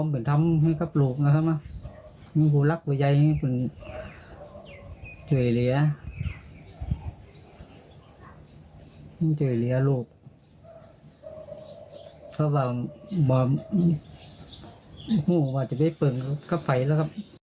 เพราะว่ามันอาจจะไปเปิงก็ไปแล้วครับ